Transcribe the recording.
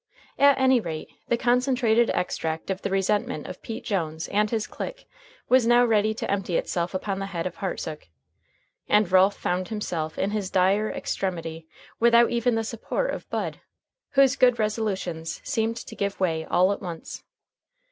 At any rate, the concentrated extract of the resentment of Pete Jones and his clique was now ready to empty itself upon the head of Hartsook. And Ralph found himself in his dire extremity without even the support of Bud, whose good resolutions seemed to give way all at once.